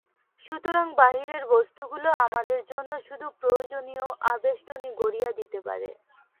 সুতরাং বাহিরের বস্তুগুলি আমাদের জন্য শুধু প্রয়োজনীয় আবেষ্টনী গড়িয়া দিতে পারে।